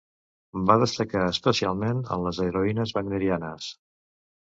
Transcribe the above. Va destacar especialment en les heroïnes wagnerianes.